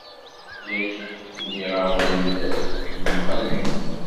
Yak nniɣ-awen-d yemxell.